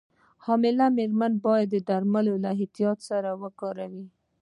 حاملې مېرمنې باید درمل له احتیاط سره وکاروي.